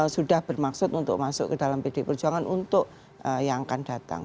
sudah bermaksud untuk masuk ke dalam pd perjuangan untuk yang akan datang